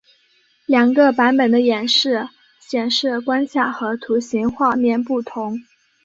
两个版本的演示显示关卡和图形画面不同。